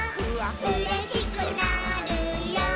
「うれしくなるよ」